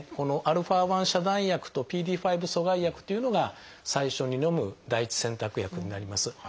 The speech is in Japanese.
α遮断薬とＰＤＥ５阻害薬というのが最初にのむ第一選択薬になります。